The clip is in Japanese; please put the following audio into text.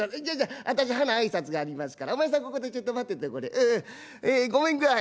じゃじゃ私はな挨拶がありますからお前さんここでちょいと待っててうんうん。